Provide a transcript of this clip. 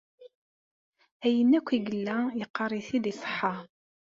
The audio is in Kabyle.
Ayen akk i yella yeqqar-t-id iṣeḥḥa.